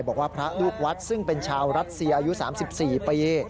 บอกว่าพระลูกวัดซึ่งเป็นชาวรัสเซียอายุ๓๔ปี